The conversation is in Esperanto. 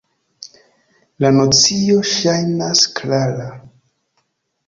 La nocio ŝajnas klara“.